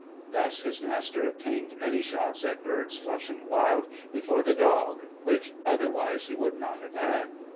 Thus his master obtained many shots at birds flushing wild before the dog which otherwise he would not have had.